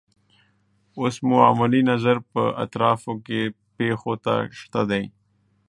اوس مو علمي نظر په اطرافو کې پیښو ته شته دی.